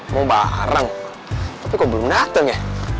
mau bareng tapi kok belum datang ya